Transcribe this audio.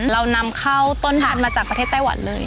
เรานำเข้าต้นพันธุ์มาจากประเทศไต้หวันเลย